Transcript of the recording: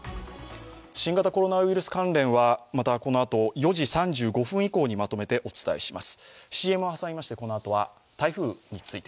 新型コロナウイルス関連は４時３５分以降にまとめてお伝えします。